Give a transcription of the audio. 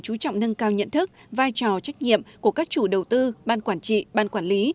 chú trọng nâng cao nhận thức vai trò trách nhiệm của các chủ đầu tư ban quản trị ban quản lý